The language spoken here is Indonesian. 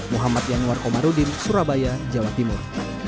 muhammad yangwar komarudin surabaya jawa timur